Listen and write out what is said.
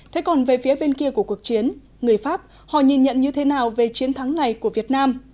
thế còn về phía bên kia của cuộc chiến người pháp họ nhìn nhận như thế nào về chiến thắng này của việt nam